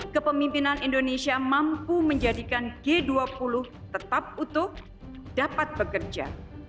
kepemimpinan indonesia mampu menjadikan g dua puluh tetap utuh dapat bekerja